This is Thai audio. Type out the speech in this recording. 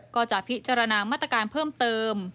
ก็จะพิจารณามาตรการเพิ่มเติม